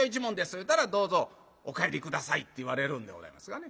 言うたら「どうぞお帰り下さい」って言われるんでございますがね。